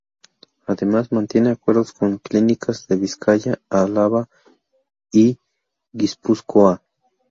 Además mantiene acuerdos con clínicas de Vizcaya, Álava y Guipúzcoa.